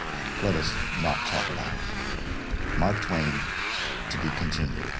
Let us not talk about it. MARK TWAIN. (_To be Continued.